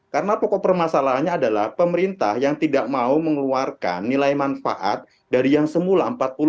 karena pokok permasalahannya adalah pemerintah yang tidak mau mengeluarkan nilai manfaat dari yang semula